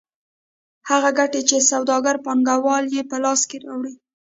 هغه ګټه چې سوداګر پانګوال یې په لاس راوړي